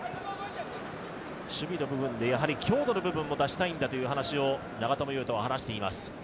守備の部分で強度の部分も出したいんだと長友は話しています。